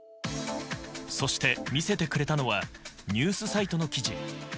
そして、見せてくれたのはニュースサイトの記事。